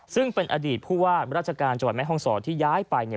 ซึ่งเป็นอดีตผู้ว่าราชการจังหวัดแม่ห้องศรที่ย้ายไปเนี่ย